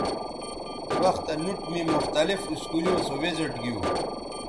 وختہ نوٹ می مختلف اسکولیوں سو وزٹ گیو